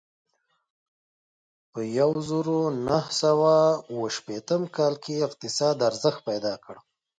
په یوه زرو نهه سوه اوه شپېتم کال کې یې اقتصاد ارزښت پیدا کړ.